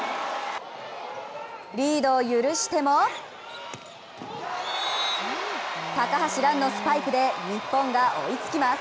リードを許しても高橋藍のスパイクで日本が追いつきます。